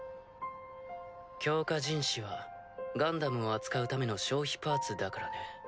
強化人士はガンダムを扱うための消費パーツだからね。